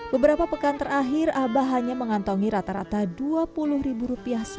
beberapa pekan terakhir abah hanya mengantongi rata rata dua puluh ribu rupiah saja